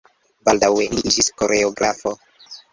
Baldaŭe li iĝis koreografo.